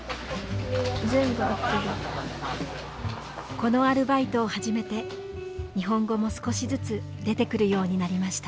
このアルバイトを始めて日本語も少しずつ出てくるようになりました。